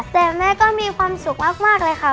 แต่แม่ก็มีความสุขมากเลยค่ะ